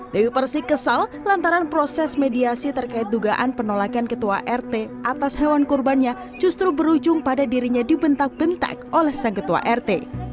dewi persik kesal lantaran proses mediasi terkait dugaan penolakan ketua rt atas hewan kurbannya justru berujung pada dirinya dibentak bentak oleh sang ketua rt